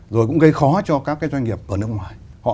rồi cũng gây khó cho các cái doanh nghiệp ở nước ngoài